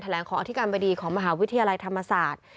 แหลงของอธิการบดีของมหาวิทยาลัยธรรมศาสตร์